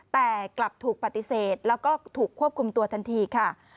แต่กลับถูกปฏิเสธแล้วก็ถูกควบคุมตัวทันทีค่ะ